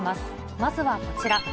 まずはこちら。